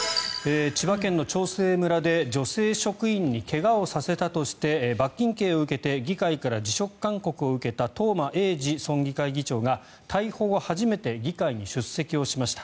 千葉県の長生村で女性職員に怪我をさせたとして罰金刑を受けて議会から辞職勧告を受けた東間永次村議会議長が逮捕後初めて議会に出席をしました。